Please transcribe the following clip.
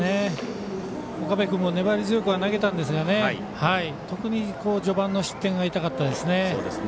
岡部君も粘り強くは投げたんですが特に序盤の失点が痛かったですね。